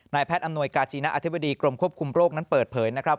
แพทย์อำนวยกาจีนะอธิบดีกรมควบคุมโรคนั้นเปิดเผยนะครับ